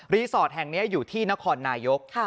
สอดแห่งนี้อยู่ที่นครนายก